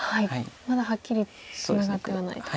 まだはっきりツナがってはないと。